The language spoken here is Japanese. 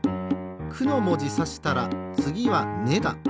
「く」のもじさしたらつぎは「ね」だ。